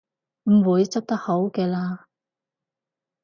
唔會執得好嘅喇